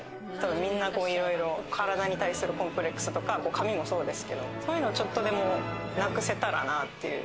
みんないろいろ、体に対するコンプレックスとか髪もそうですけど、そういうのを、ちょっとでも、なくせたらなっていう。